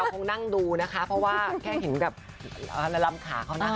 คงนั่งดูนะคะเพราะว่าแค่เห็นแบบลำขาเขานะคะ